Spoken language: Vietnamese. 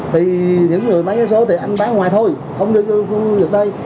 thì những người bán giáo số thì anh bán ngoài thôi không được đây